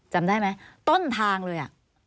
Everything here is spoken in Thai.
จำได้ไหมต้นทางเลย